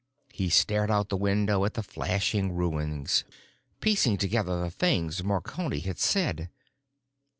He stared out the window at the flashing ruins, piecing together the things Marconi had said.